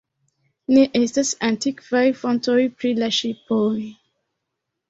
Ne estas antikvaj fontoj pri la ŝipoj.